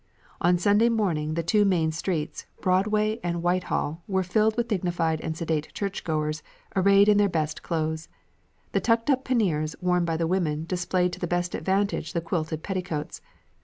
"On Sunday mornings the two main streets, Broadway and Whitehall, were filled with dignified and sedate churchgoers arrayed in their best clothes. The tucked up panniers worn by the women displayed to the best advantage the quilted petticoats.